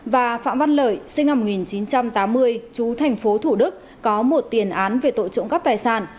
và phạm văn lợi sinh năm một nghìn chín trăm tám mươi chú tp thủ đức có một tiền án về tội trộn cắp tài sản